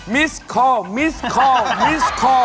มิสคอลมิสคอลมิสคอล